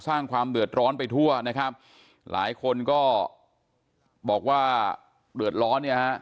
สร้างความเดือดร้อนไปทั่วนะครับหลายคนก็บอกว่าเดือดร้อนเนี่ยฮะ